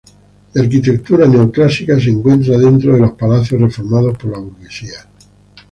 De arquitectura neoclásica, se encuentra dentro de los palacios reformados por la Burguesía.